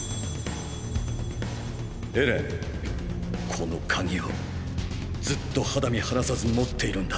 この鍵をずっと肌身離さず持っているんだ。